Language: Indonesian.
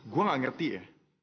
gue gak ngerti ya